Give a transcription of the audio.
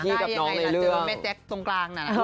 ได้ยังไงนะเจอกับเม็ดแจ๊คตรงกลางนะ